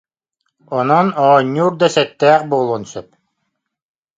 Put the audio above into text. Онон оонньуур да сэттээх буолуон сөп